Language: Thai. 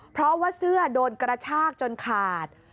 เพราะว่าเสื้อโดนกระชากจนขาด